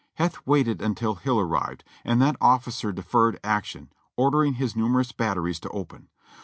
Heth waited until Hill arrived : and that offi cer deferred action, ordering his numerous batteries to open.